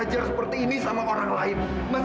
bisa rainsu ya madness